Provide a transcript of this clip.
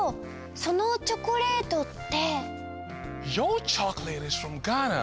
そのチョコレートって。